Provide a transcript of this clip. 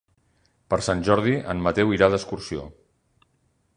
Per Sant Jordi en Mateu irà d'excursió.